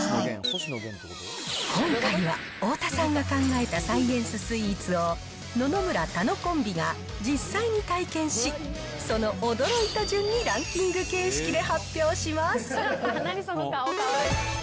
今回は、太田さんが考えたサイエンススイーツを、野々村・楽コンビが、実際に体験し、その驚いた順にランキング形式で発表します。